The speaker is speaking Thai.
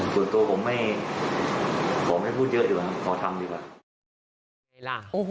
ส่วนตัวผมไม่ขอไม่พูดเยอะดีกว่านะขอทำดีกว่า